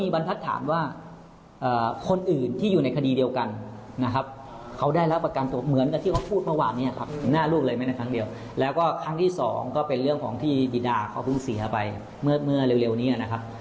บิดาเขาเพิ่งเสียไปเมื่อเร็วนี้นะครับ